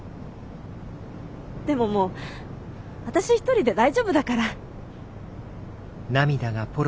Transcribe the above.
でももう私一人で大丈夫だから。